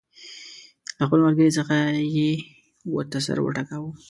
له خپل ملګري څخه یې ورته سر وټکاوه.